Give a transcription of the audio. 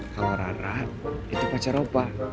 kalo rara itu pacar opa